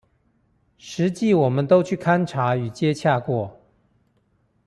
實際我們都去勘查與接洽過